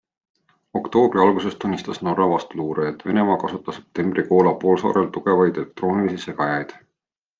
Oktoobri alguses tunnistas Norra vastuluure, et Venemaa kasutas septembris Koola poolsaarel tugevaid elektroonilisi segajaid.